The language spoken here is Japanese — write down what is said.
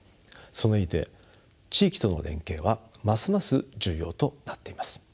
その意味で地域との連携はますます重要となっています。